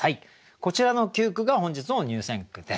こちらの９句が本日の入選句です。